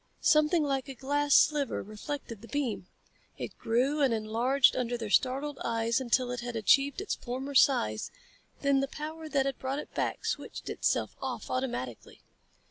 Something like a glass sliver reflected the beam. It grew and enlarged under their startled eyes until it had achieved its former size, then the power that had brought it back switched itself off automatically.